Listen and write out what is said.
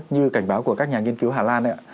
như cảnh báo của các nhà nghiên cứu hà lan